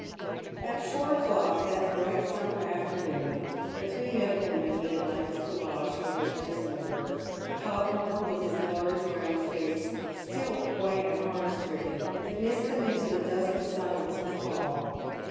At four o'clock that bright summer afternoon the three medical men meet at Lancaster Lodge for their dismal work. Podmore, with his large round face, still white and hon or stricken, admits them into the dusky silence of the hall.